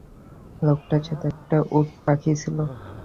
লোকটার সাথে একটা উটপাখি ছিলো।